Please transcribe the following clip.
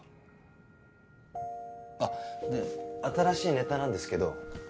あっで新しいネタなんですけど。